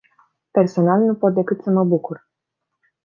Personal, nu pot decât să mă bucur.